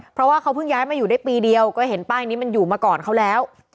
เพราะว่าเขาเพิ่งย้ายมาอยู่ได้ปีเดียวก็เห็นป้ายนี้มันอยู่มาก่อนเขาแล้ว